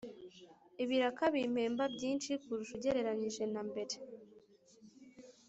ibiraka bimpemba byinshi kurushaho ugereranyije na mbere.